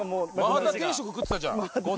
マハタ定食食ってたじゃん。